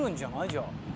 じゃあ。